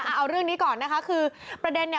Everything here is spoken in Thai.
เอาเรื่องนี้ก่อนนะคะคือประเด็นเนี่ย